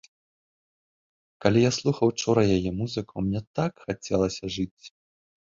Калі я слухаў учора яе музыку, мне так хацелася жыць!